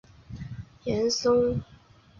阮寿松丁未科进士。